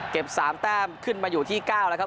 เก็บ๓แต้มขึ้นมาอยู่ที่๙นะครับ